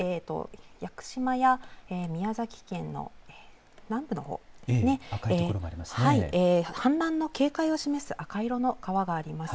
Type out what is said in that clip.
屋久島や宮崎県の南部のほう氾濫の警戒を示す赤い色の川があります。